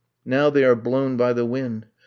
. Now they are blown by the wind .